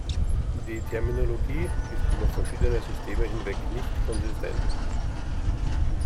Die Terminologie ist über verschiedene Systeme hinweg nicht konsistent.